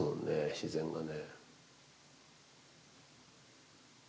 自然がね。